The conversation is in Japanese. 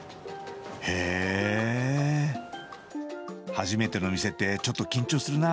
初めての店ってちょっと緊張するな。